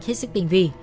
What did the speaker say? hết sức tình vị